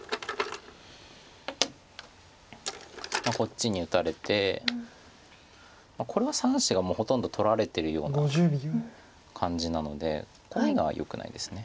こっちに打たれてこれは３子がもうほとんど取られてるような感じなのでこういうのはよくないです。